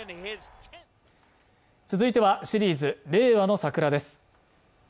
続いてはシリーズ「令和のサクラ」です